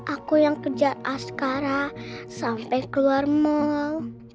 aku yang kerja askara sampai keluar mall